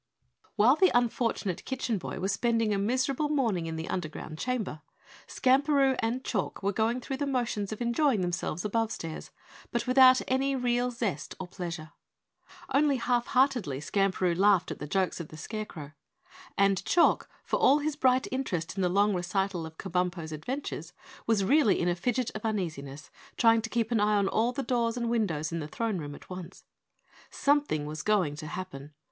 While the unfortunate Kitchen Boy was spending a miserable morning in the underground chamber, Skamperoo and Chalk were going through the motions of enjoying themselves above stairs, but without any real zest or pleasure. Only half heartedly Skamperoo laughed at the jokes of the Scarecrow, and Chalk, for all his bright interest in the long recital of Kabumpo's adventures, was really in a fidget of uneasiness, trying to keep an eye on all the doors and windows in the Throne Room at once. Something was going to happen.